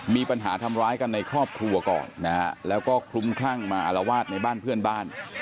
มีปัญหาทำร้ายกันในครอบครัวก่อนนะฮะแล้วก็คลุ้มคลั่งมาอารวาสในบ้านเพื่อนบ้าน